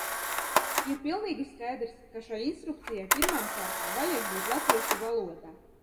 Ir pilnīgi skaidrs, ka šai instrukcijai pirmām kārtām vajag būt latviešu valodā.